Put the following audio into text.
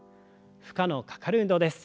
負荷のかかる運動です。